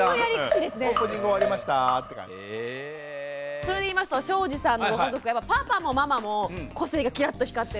それで言いますと庄司さんのご家族やっぱパパもママも個性がキラッと光ってる。